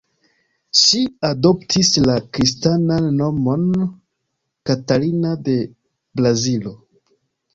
Ŝi adoptis la kristanan nomon "Katarina de Brazilo".